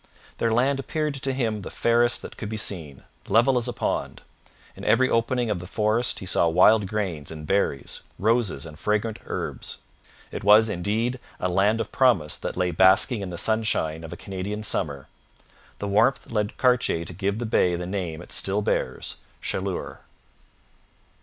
Their land appeared to him the fairest that could be seen, level as a pond; in every opening of the forest he saw wild grains and berries, roses and fragrant herbs. It was, indeed, a land of promise that lay basking in the sunshine of a Canadian summer. The warmth led Cartier to give to the bay the name it still bears Chaleur.